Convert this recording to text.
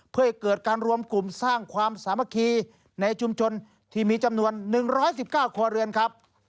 เพื่อให้เกิดการรวมกลุ่มสร้างความสามัคคีในชุมชนที่มีจำนวน๑๑๙ครัวเรือนครับ